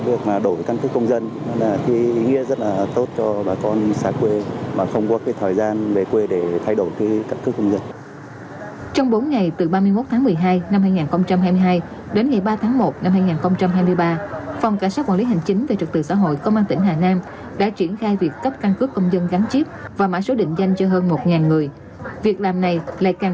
đây là điểm được công an tỉnh hà nam phối hợp với cục cảnh sát quản lý hành chính về trật tự xã hội tiến hành cấp căn cứ công dân và mã số định danh cho người dân hà nam